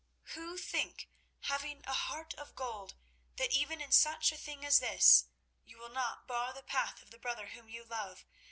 "Who think, having a heart of gold, that even in such a thing as this you will not bar the path of the brother whom you love.